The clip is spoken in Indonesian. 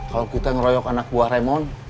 kalau kita ngeroyok anak buah ramon